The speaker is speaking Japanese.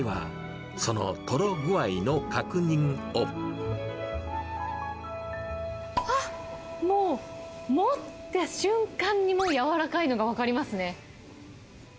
では、あっ、もう持った瞬間に、もう軟らかいのが分かりますね。